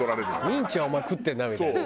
「ミンチはお前食ってるな」みたいな。